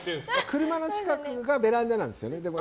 車の近くがベランダなんですよね。